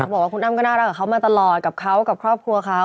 บอกว่าคุณอ้ำก็น่ารักกับเขามาตลอดกับเขากับครอบครัวเขา